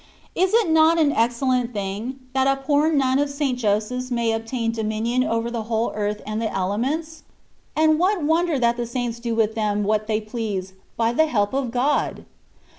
Is it not an excellent thing, that a poor nun of 92 THE WAY OF PERFECTION. St. Joseph's may obtain dominion over the whole earth and the elements ? And what wonder that the saints do with them what they please^ by the help of God